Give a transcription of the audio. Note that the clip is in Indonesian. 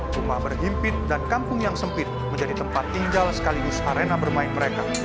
rumah berhimpit dan kampung yang sempit menjadi tempat tinggal sekaligus arena bermain mereka